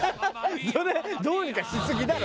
それどうにかしすぎだろ！